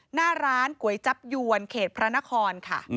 หน้าร้านก๋วยจับยวนเขตพระนครค่ะ